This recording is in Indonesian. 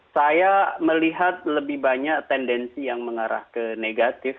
saya melihat lebih banyak tendensi yang mengarah ke negatif